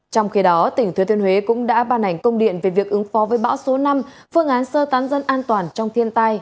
trong khi đó tỉnh thừa thiên huế cũng đã ban hành công điện về việc ứng phó với bão số năm phương án sơ tán dân an toàn trong thiên tai